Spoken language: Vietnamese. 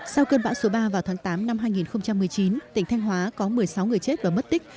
sau cơn bão số ba vào tháng tám năm hai nghìn một mươi chín tỉnh thanh hóa có một mươi sáu người chết và mất tích